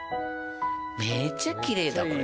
めっちゃきれいだこれ。